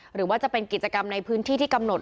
หรือว่าจะเป็นกิจกรรมในพื้นที่ที่กำหนด